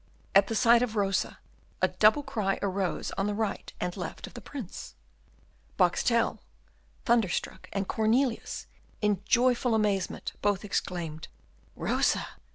At the sight of Rosa, a double cry arose on the right and left of the Prince. Boxtel, thunderstruck, and Cornelius, in joyful amazement, both exclaimed, "Rosa!